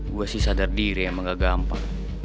gue sih sadar diri emang gak gampang